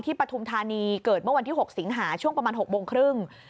ปฐุมธานีเกิดเมื่อวันที่๖สิงหาช่วงประมาณ๖โมงครึ่ง